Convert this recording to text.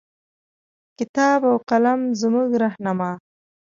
کتاب او قلم زمونږه رهنما